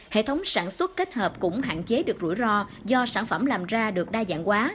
hệ thống sản xuất kết hợp cũng hạn chế được rủi ro do sản phẩm làm ra được đa dạng quá